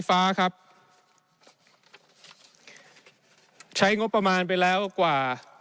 ในช่วงที่สุดในรอบ๑๖ปี